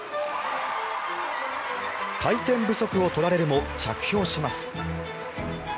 回転不足を取られるも着氷します。